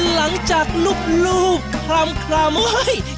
หลังจากลูกคลำเฮ้ย